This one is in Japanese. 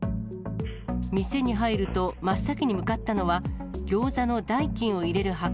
店に入ると真っ先に向かったのは、ギョーザの代金を入れる箱。